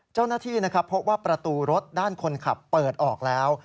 เจ้าหน้าที่นะครับพบว่าประตูรถด้านคนขับเปิดออกแล้ว